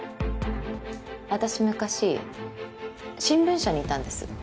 私昔新聞社にいたんです